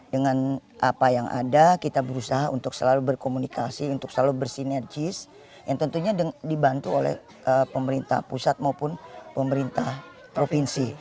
dengan apa yang ada kita berusaha untuk selalu berkomunikasi untuk selalu bersinergis yang tentunya dibantu oleh pemerintah pusat maupun pemerintah provinsi